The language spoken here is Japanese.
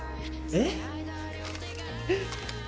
えっ！？